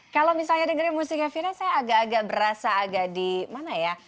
kalau misalnya dengerin musiknya fina saya agak agak berasa agak di mana ya